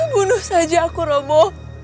bunuh saja aku romo